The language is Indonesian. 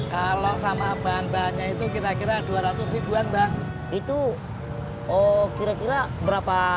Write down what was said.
kalau sama bahan bahannya itu kira kira dua ratus ribuan mbak itu kira kira berapa